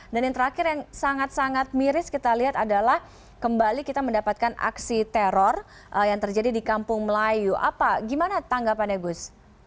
dan yang terakhir yang sangat sangat miris kita lihat adalah kembali kita mendapatkan aksi teror yang terjadi di kampung melayu apa gimana tanggapannya gus